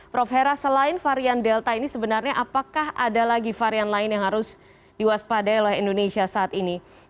prof hera selain varian delta ini sebenarnya apakah ada lagi varian lain yang harus diwaspadai oleh indonesia saat ini